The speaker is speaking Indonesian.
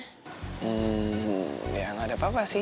hmm ya nggak ada apa apa sih